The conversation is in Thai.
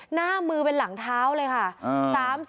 หน้ามือเป็นหลังเท้าเลยค่ะ